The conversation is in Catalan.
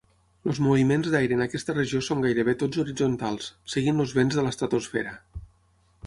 Els moviments d'aire en aquesta regió són gairebé tots horitzontals, seguint els vents de l'estratosfera.